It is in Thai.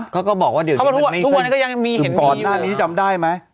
เขาก็บอกว่าเดี๋ยวถึงป่อนหน้านี้จำได้ไหม